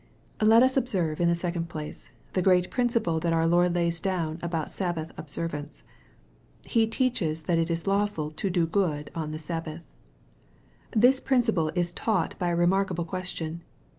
Let us observe, in the second place, the great principle that our Lord lays down about Sabbath observance. He teaches that it is lawful " to do good" on the Sabbath. This principle is taught by a remarkable question.